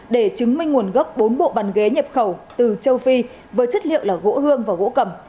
để chứng minh nguồn gốc bốn bộ bàn ghế nhập khẩu từ châu phi với chất liệu là gỗ hương và gỗ cầm